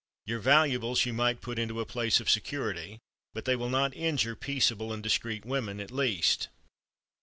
Your valuables you might put into a place of security, but they will not injure peaceable and discreet women at least."